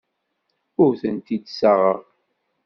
Ur tent-id-ssaɣeɣ.